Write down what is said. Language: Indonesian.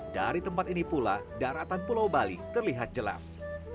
dari tempat ini pula daratan pulau bali terlihat jelas